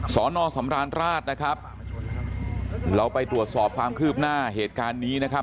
สอนอสำราญราชนะครับเราไปตรวจสอบความคืบหน้าเหตุการณ์นี้นะครับ